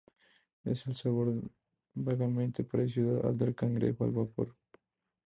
El sabor es vagamente parecido al del cangrejo al vapor.